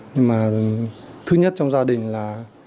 nhưng mà thứ nhất trong gia đình là